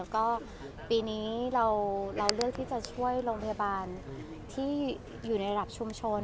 ก็ปีนี้เราเลือกที่จะช่วยโรงพยาบาลที่อยู่ในระดับชุมชน